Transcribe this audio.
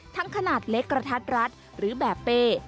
ขนาดเล็กกระทัดรัดหรือแบบเป้